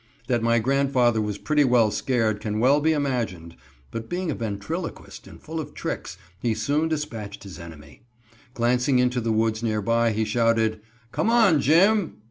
That my grandfather was pretty well scared can well be imagined, but being a ventriloquist and full of tricks, he soon dispatched his enemy. Glancing into the woods nearby, he shouted: "Come on Jim!"